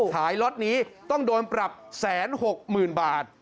ล็อตนี้ต้องโดนปรับ๑๖๐๐๐บาท